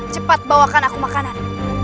cepat bawakan aku makanan